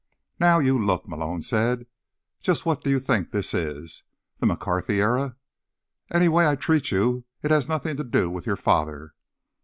"Now, you look," Malone said. "Just what do you think this is? The McCarthy era? Any way I treat you, it has nothing to do with your father.